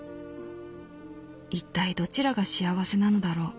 いったいどちらが幸せなのだろう」。